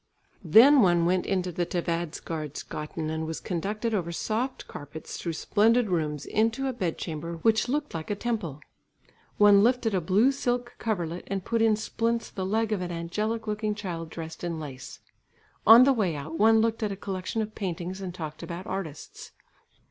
Then one went to the Tvädgårdsgatan and was conducted over soft carpets through splendid rooms into a bed chamber which looked liked a temple; one lifted a blue silk coverlet and put in splints the leg of an angelic looking child, dressed in lace. On the way out one looked at a collection of paintings, and talked about artists.